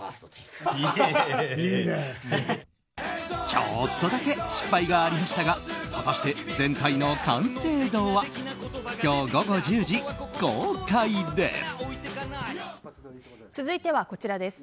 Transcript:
ちょっとだけ失敗がありましたが果たして全体の完成度は？今日午後１０時公開です。